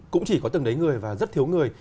cũng chỉ có từng đấy người và rất thiếu người